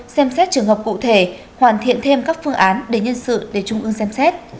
xem xét trường hợp cụ thể hoàn thiện thêm các phương án để nhân sự để trung ương xem xét